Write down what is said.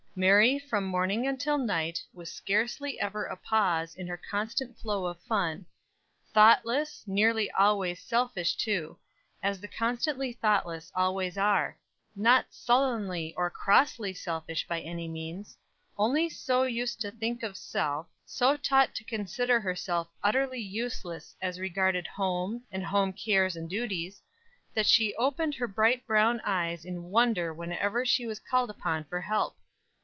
Merry from morning until night, with scarcely ever a pause in her constant flow of fun; thoughtless, nearly always selfish too, as the constantly thoughtless always are. Not sullenly and crossly selfish by any means, only so used to think of self, so taught to consider herself utterly useless as regarded home, and home cares and duties, that she opened her bright brown eyes in wonder whenever she was called upon for help.